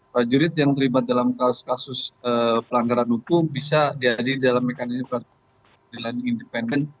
prajurit yang terlibat dalam kasus kasus pelanggaran hukum bisa jadi dalam mekanisme peradilan independen